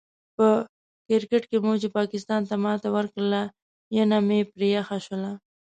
په کرکیټ کې مو چې پاکستان ته ماتې ورکړله، ینه مې پرې یخه شوله.